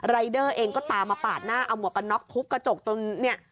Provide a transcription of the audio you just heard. รายเดอร์เองก็ตามมาปาดหน้าเอาหมวกกันน็อกทุบกระจกจนเนี่ย